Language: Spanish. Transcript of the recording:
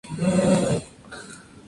El galio puede ser considerado anómalo.